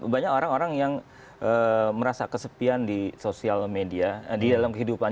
banyak orang orang yang merasa kesepian di sosial media di dalam kehidupan